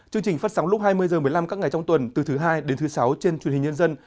chương trình phát sóng lúc hai mươi h một mươi năm các ngày trong tuần từ thứ hai đến thứ sáu trên truyền hình nhân dân